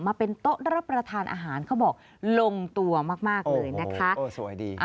มาเป็นโต๊ะรับประทานอาหารเขาบอกลงตัวมากมากเลยนะคะเออสวยดี